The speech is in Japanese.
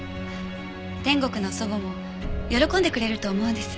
天国の祖母も喜んでくれると思うんです。